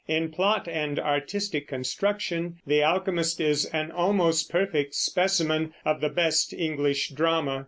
In plot and artistic construction The Alchemist is an almost perfect specimen of the best English drama.